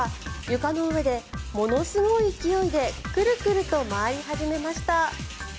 床の上で、ものすごい勢いでクルクルと回り始めました。